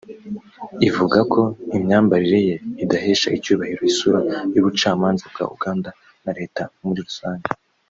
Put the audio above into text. ivuga ko imyambarire ye idahesha icyubahiro isura y’Ubucamanza bwa Uganda na Leta muri rusange